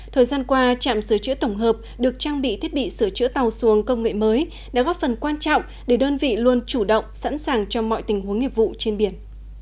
thời gian qua trạm sửa chữa tổng hợp được trang bị thiết bị sửa chữa tàu xuồng công nghệ mới đã góp phần quan trọng để đơn vị luôn chủ động sẵn sàng cho mọi tình huống nghiệp vụ trên biển